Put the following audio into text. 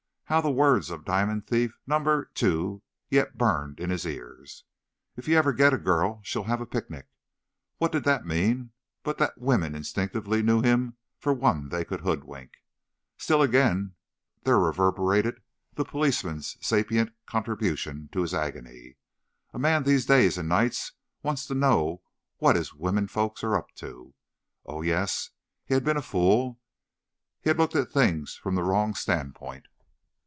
How the words of diamond thief number two yet burned in his ears: "If you ever get a girl, she'll have a picnic." What did that mean but that women instinctively knew him for one they could hoodwink? Still again, there reverberated the policeman's sapient contribution to his agony: "A man these days and nights wants to know what his women folks are up to." Oh, yes, he had been a fool; he had looked at things from the wrong standpoint.